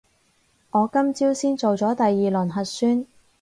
我今朝先做咗第二輪核酸